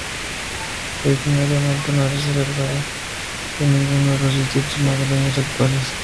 Originariamente no se celebrada en ninguno de los distritos madrileños actuales.